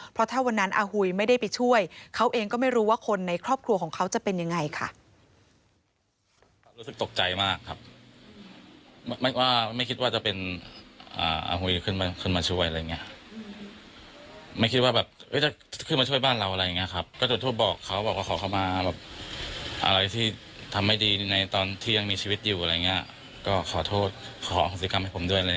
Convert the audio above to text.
เพราะถ้าวันนั้นอาหุยไม่ได้ไปช่วยเขาเองก็ไม่รู้ว่าคนในครอบครัวของเขาจะเป็นยังไงค่ะ